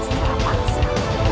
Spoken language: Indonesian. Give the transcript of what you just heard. dan selain besar konflik